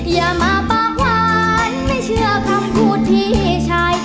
อย่ามาปากหวานไม่เชื่อคำพูดพี่ชาย